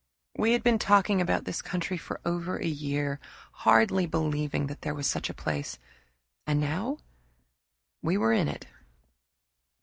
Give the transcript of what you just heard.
We had been talking about this country for over a year, hardly believing that there was such a place, and now we were in it.